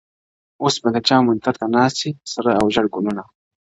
اوس به د چا منتر ته ناڅي سره او ژړ ګلونه-